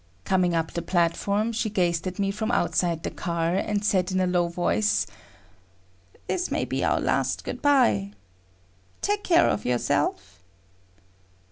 Coming up the platform, she gazed at me from outside the car, and said in a low voice; "This may be our last good by. Take care of yourself."